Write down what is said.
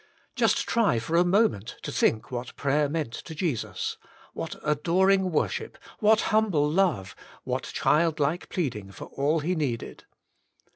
Just try for a moment to think what prayer meant to Jesus, what adoring worship, what humble love, what child like pleading for all He needed.